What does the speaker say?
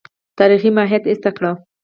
تاریخي ماهیت ایسته کړو.